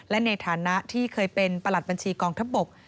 และในฐานะที่เคยเป็นประหลัดบัญชีกองทัพบก